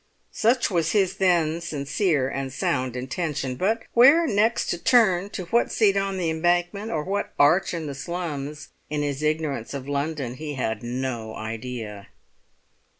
Such was his then sincere and sound intention. But where next to turn, to what seat on the Embankment, or what arch in the slums, in his ignorance of London he had no idea.